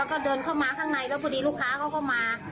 แล้วก็เดินเข้ามาข้างในแล้วพอดีลูกค้าเขาก็มา